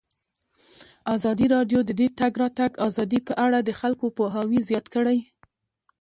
ازادي راډیو د د تګ راتګ ازادي په اړه د خلکو پوهاوی زیات کړی.